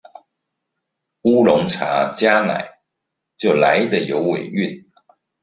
烏龍茶加奶就來得有尾韻